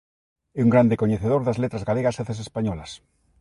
É un grande coñecedor das letras galegas e das españolas.